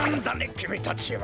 きみたちは。